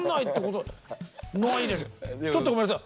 ちょっとごめんなさい。